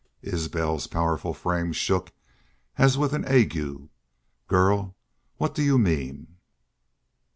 Isbel's powerful frame shook as with an ague. "Girl, what do you mean?"